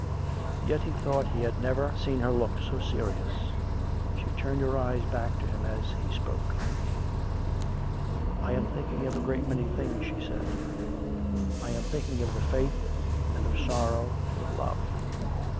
Yet he thought he had never seen her look so serious. She turned her eyes back to him as he spoke. " I am thinking of a great many things," she said. " I am thinking of the Faith and of sorrow and of love."